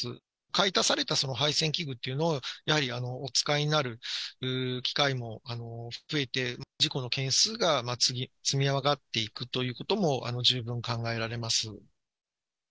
買い足されたその配線器具というのを、やはりお使いになる機会も増えて、事故の件数が積み上がっていくということも、十分考えられます。